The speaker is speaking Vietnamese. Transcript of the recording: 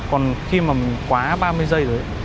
còn khi mà mình quá ba mươi giây rồi